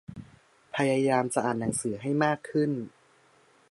พยายามจะอ่านหนังสือให้มากขึ้น